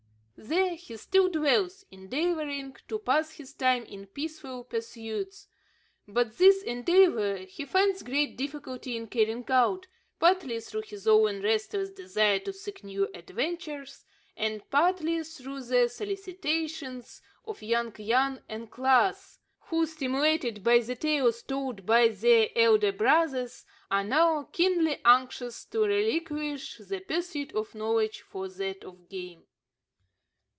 There he still dwells, endeavouring to pass his time in peaceful pursuits; but this endeavour he finds great difficulty in carrying out, partly through his own restless desire to seek new adventures, and partly through the solicitations of young Jan and Klaas, who, stimulated by the tales told by their elder brothers, are now keenly anxious to relinquish the pursuit of knowledge for that of game.